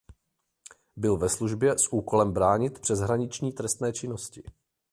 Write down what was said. Byl ve službě s úkolem bránit přeshraniční trestné činnosti.